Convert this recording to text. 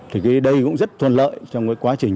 thì cái đây cũng rất thuận lợi trong cái quá trình